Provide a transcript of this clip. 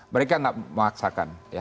mereka gak memaksakan